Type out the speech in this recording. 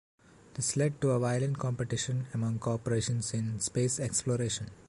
This led to a violent competition among corporations in space exploration.